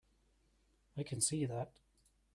I can see that.